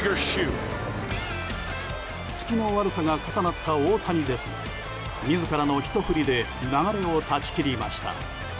ツキの悪さが重なった大谷でしたが自らのひと振りで流れを断ち切りました。